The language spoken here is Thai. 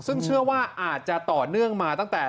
ซึ่งเชื่อว่าอาจจะต่อเนื่องมาตั้งแต่